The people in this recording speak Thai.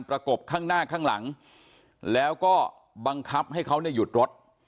กบข้างหน้าข้างหลังแล้วก็บังคับให้เขาเนี่ยหยุดรถ